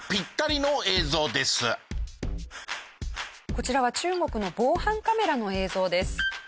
こちらは中国の防犯カメラの映像です。